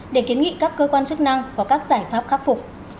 để kiến nghị các cơ quan chức năng có các giải pháp khắc phục